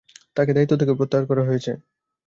তাঁকে দায়িত্ব থেকেও প্রত্যাহার করা হয়েছে।